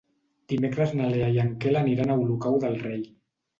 Dimecres na Lea i en Quel aniran a Olocau del Rei.